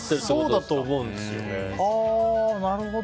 そうだと思うんですよね。